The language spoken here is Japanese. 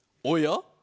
おや？